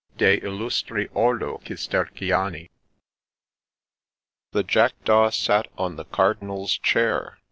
De lllust. Ord. Cisterc. niHE Jackdaw sat on the Cardinal's chair